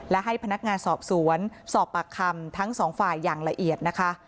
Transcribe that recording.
และให้พนักงานสอบสวนสอบปากคำทั้งสองฝ่ายอย่างละเอียดนะคะ